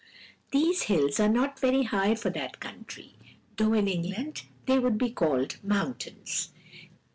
These hills are not very high for that country, though in England they would be called mountains.